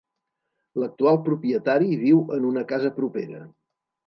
L'actual propietari viu en una casa propera.